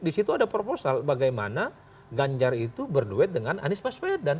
di situ ada proposal bagaimana ganjar itu berduet dengan anies baswedan